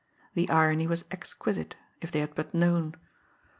The irony was exquisite, if they had but known!